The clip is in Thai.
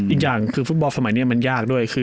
อีกอย่างคือฟุตบอลสมัยนี้มันยากด้วย